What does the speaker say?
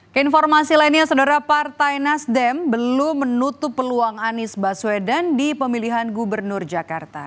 keinformasi lainnya saudara partai nasdem belum menutup peluang anies baswedan di pemilihan gubernur jakarta